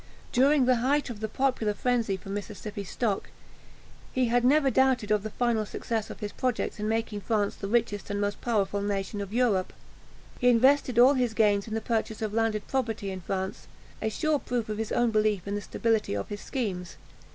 During the height of the popular frenzy for Mississippi stock, he had never doubted of the final success of his projects in making France the richest and most powerful nation of Europe. He invested all his gains in the purchase of landed property in France a sure proof of his own belief in the stability of his schemes.